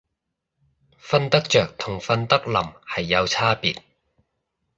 瞓得着同瞓得稔係有差別